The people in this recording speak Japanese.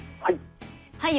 はい。